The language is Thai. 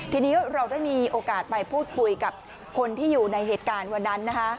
ทีนี้เราได้มีโอกาสไปพูดคุยกับคนที่อยู่ในเหตุการณ์วันนั้นนะคะ